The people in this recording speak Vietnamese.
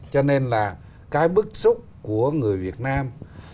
cho nên là cái bức xúc của người việt nam